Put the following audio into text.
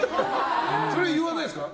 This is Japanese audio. それ、言わないんですか？